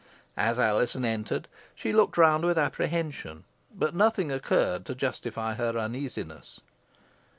As Alizon entered she looked round with apprehension, but nothing occurred to justify her uneasiness.